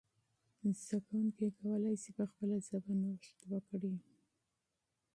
زده کوونکي کولای سي په خپله ژبه نوښت وکړي.